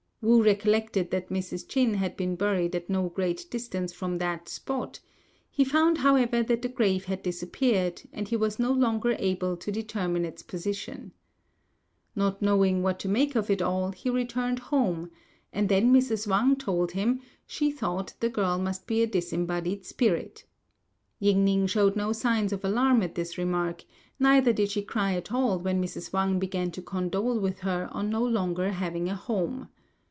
Wu recollected that Mrs. Ch'in had been buried at no great distance from that spot; he found, however, that the grave had disappeared, and he was no longer able to determine its position. Not knowing what to make of it all, he returned home, and then Mrs. Wang told him she thought the girl must be a disembodied spirit. Ying ning shewed no signs of alarm at this remark; neither did she cry at all when Mrs. Wang began to condole with her on no longer having a home.